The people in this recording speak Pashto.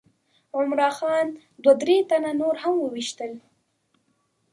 عمرا خان دوه درې تنه نور هم وویشتل.